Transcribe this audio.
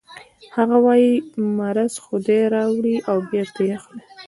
هغه وايي مرض خدای راوړي او بېرته یې اخلي